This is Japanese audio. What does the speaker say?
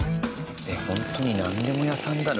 ホントになんでも屋さんだな。